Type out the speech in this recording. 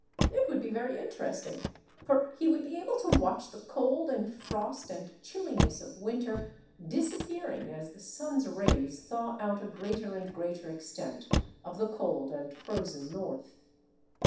It would be very interesting, for he would be able to watch the cold and frost and chilliness of winter disappearing as the sun's rays thaw out a greater and greater extent of the cold and frozen North.